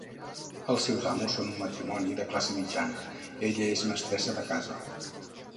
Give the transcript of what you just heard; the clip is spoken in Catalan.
Els seus amos són un matrimoni de classe mitjana, ella és mestressa de casa.